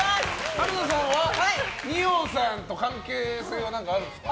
春菜さんは二葉さんと関係性はあるんですか？